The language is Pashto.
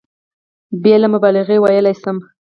بېله مبالغې ویلای شم.